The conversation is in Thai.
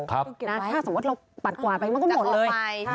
ถ้าสมมุติเราปัดกวาดไปมันก็หมดเลย